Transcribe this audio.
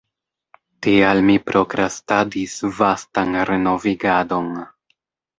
Tial mi prokrastadis vastan renovigadon.